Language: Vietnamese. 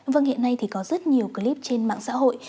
vâng hiện nay thì có rất nhiều clip trên mạng xã hội